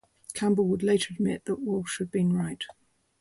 Campbell would later admit that Walsh had been right.